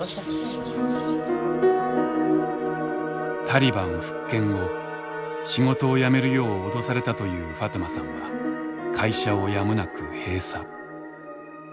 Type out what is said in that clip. タリバン復権後仕事を辞めるよう脅されたというファトゥマさんは会社をやむなく閉鎖。